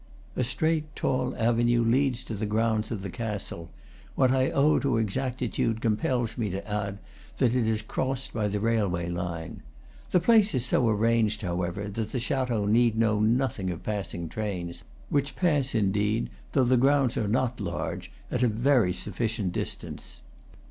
A straight, tall avenue leads to the grounds of the castle; what I owe to exactitude compels me to add that it is crossed by the railway line. The place is so arranged, however, that the chateau need know nothing of passing trains, which pass, indeed, though the grounds are not large, at a very sufficient distance.